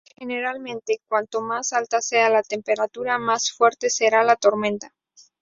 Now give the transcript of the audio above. Generalmente, cuanto más alta sea la temperatura, más fuerte será la tormenta.